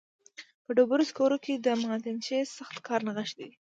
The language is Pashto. په ډبرو سکرو کې د معدنچي سخت کار نغښتی دی